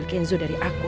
gua tinggal sama gelar kan